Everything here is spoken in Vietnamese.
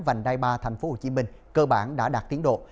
vành đai ba tp hcm cơ bản đã đạt tiến độ